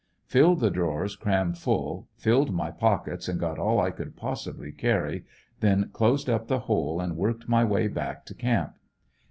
Filled the drawers cram full, filled my pockets and got all I could possibly carry, then closed up the hole and worked my way back to camp.